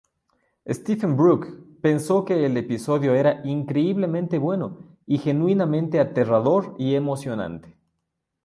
Stephen Brook pensó que el episodio era "increíblemente bueno" y "genuinamente aterrador y emocionante".